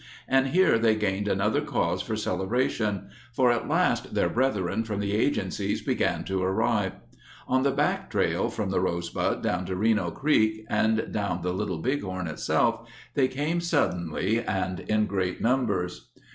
And here they gained another cause for celebration, for at last their brethren from the agen cies began to arrive. On the backtrail from the Rose bud down Reno Creek, and down the Little Bighorn itself, they came suddenly and in great numbers.